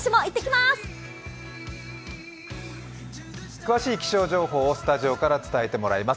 詳しい気象情報をスタジオから伝えてもらいます。